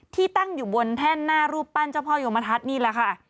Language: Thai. ที่ตั้งอยู่บนแท่นหน้ารูปปั้นเจ้าพ่อโยมทัศน์นี่แหละค่ะ